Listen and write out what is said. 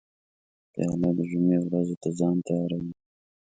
پیاله د جمعې ورځو ته ځان تیاروي.